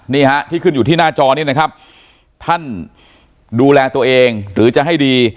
นี่ฮะที่ขึ้นอยู่ที่หน้าจอนี้นะครับท่านดูแลตัวเองหรือจะให้ดี